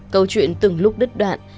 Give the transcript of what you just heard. câu chuyện từng lúc đứt đoạn